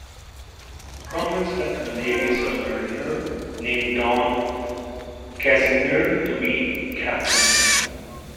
Grumman selected a Navy submariner named Don Kazimir to be captain.